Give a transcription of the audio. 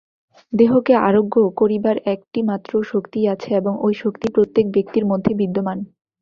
দেহকে আরোগ্য করিবার একটিমাত্র শক্তিই আছে, এবং ঐ শক্তি প্রত্যেক ব্যক্তির মধ্যে বিদ্যমান।